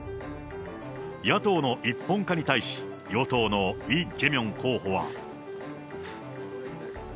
野党の一本化に対し、与党のイ・ジェミョン候補は。